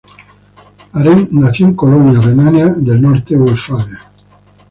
Arendt nació en Colonia, Renania del Norte-Westfalia.